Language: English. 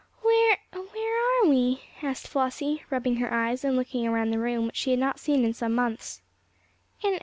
"Where where are we?" asked Flossie, rubbing her eyes and looking around the room which she had not seen in some months.